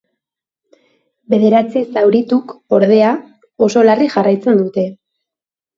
Bederatzi zaurituk, ordea, oso larri jarraitzen dute.